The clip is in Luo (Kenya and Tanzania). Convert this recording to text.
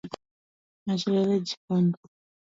Mach liel e jikon.